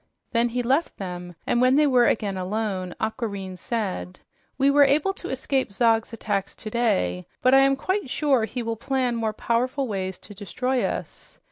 Then he left them, and when they were again alone, Aquareine said, "We were able to escape Zog's attacks today, but I am quite sure he will plan more powerful ways to destroy us.